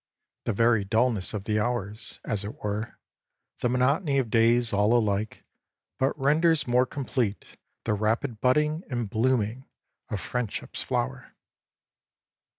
The very dullness of the hours, as it were, the monotony of days all alike, but renders more complete the rapid budding and blooming of friendshipâs flower.